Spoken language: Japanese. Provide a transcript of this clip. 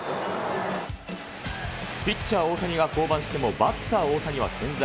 ピッチャー大谷が降板してもバッター大谷は健在。